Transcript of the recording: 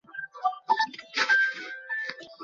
কিছু বলছো না কেন?